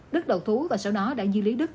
đức đầu thú và sau đó đã dư lý đức